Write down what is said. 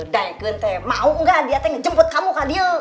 daikun mau gak dia ngejemput kamu kak dio